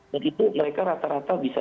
dan itu mereka rata rata bisa